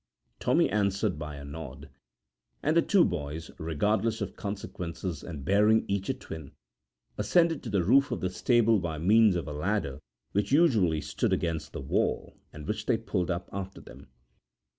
Tommy answered by a nod, and the two boys, regardless of consequences, and bearing each a twin, ascended to the roof of the stable by means of a ladder which usually stood against the wall, and which they pulled up after them.